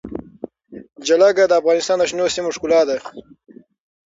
جلګه د افغانستان د شنو سیمو ښکلا ده.